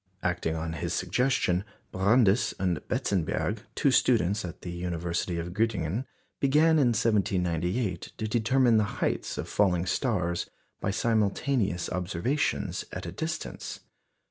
Acting on his suggestion, Brandes and Benzenberg, two students at the University of Göttingen, began in 1798 to determine the heights of falling stars by simultaneous observations at a distance.